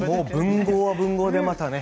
文豪は文豪でまたね。